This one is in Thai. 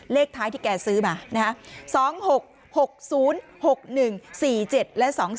เลขท้ายที่แกซื้อมานะคะ